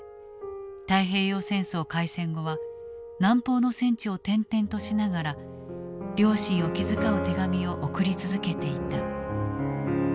太平洋戦争開戦後は南方の戦地を転々としながら両親を気遣う手紙を送り続けていた。